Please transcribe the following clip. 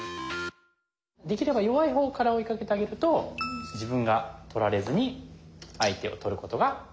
できれば弱い方から追いかけてあげると自分が取られずに相手を取ることができると。